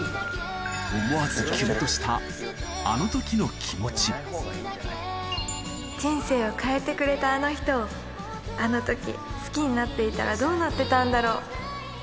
思わずキュンとしたあのとき人生を変えてくれたあの人を、あのとき好きになっていたらどうなってたんだろう。